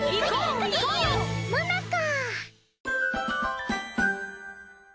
もなか。